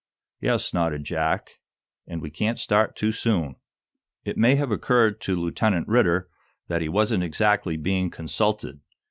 "Yes," nodded Jack. "And we can't start too soon." It may have occurred to Lieutenant Ridder that he wasn't exactly being consulted.